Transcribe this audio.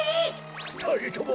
ふたりとも